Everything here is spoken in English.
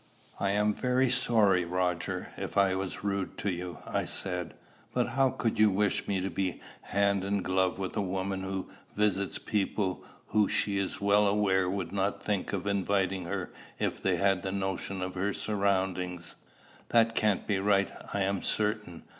"I am very sorry, Roger, if I was rude to you," I said; "but how could you wish me to be hand and glove with a woman who visits people who she is well aware would not think of inviting her if they had a notion of her surroundings. That can't be right, I am certain.